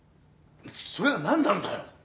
それが何なんだよ。